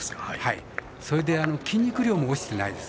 それで筋肉量も落ちてないです。